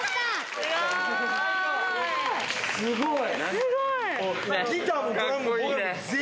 すごい！